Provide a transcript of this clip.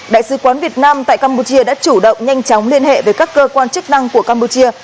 đại sứ quán việt nam tại campuchia đã chủ động nhanh chóng liên hệ với các cơ quan chức năng của campuchia